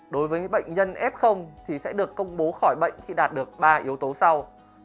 đối với bệnh nhân f thì sẽ được công bố khỏi bệnh khi đạt được ba yếu tố sau